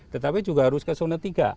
tetapi juga harus ke zona tiga